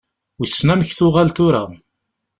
Wissen amek tuɣal tura.